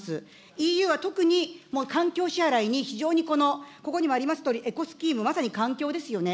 ＥＵは特に、環境支払に非常に、ここにもありますとおり、エコスキーム、まさに環境ですよね。